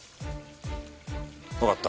わかった。